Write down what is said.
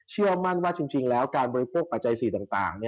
เชื่อมั่นว่าจริงแล้วการบริโภคปัจจัยสีต่าง